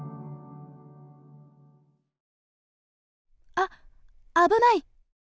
あ危ない！